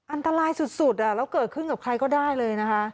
อันตรายสุดแล้วเกิดขึ้นกับใครก็ได้เลยนะคะ